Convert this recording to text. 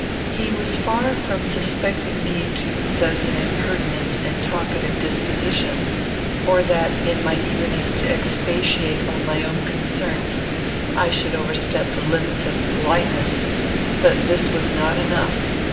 He was far from suspecting me to possess an impertinent and talkative disposition, or that, in my eagerness to expatiate on my own concerns, I should overstep the limits of politeness. But this was not enough.